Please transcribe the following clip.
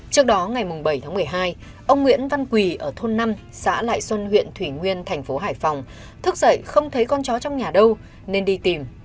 trước đó ngày bảy tháng một mươi hai ông nguyễn văn quỳ ở thôn năm xã lại xuân huyện thủy nguyên thành phố hải phòng thức dậy không thấy con chó trong nhà đâu nên đi tìm